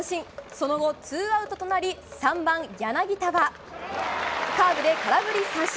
その後、ツーアウトとなり３番、柳田はカーブで空振り三振。